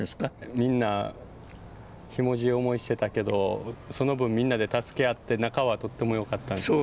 みんなひもじい思いしてたけどその分みんなで助け合って仲はとっても良かったんですか？